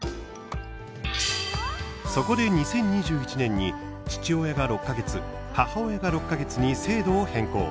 そこで２０２１年に父親が６か月、母親が６か月に制度を変更。